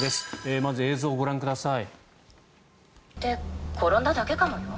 まず、映像をご覧ください。